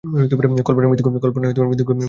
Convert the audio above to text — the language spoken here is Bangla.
কল্পনায় মৃত্যুকেও মধুর করে তুললে।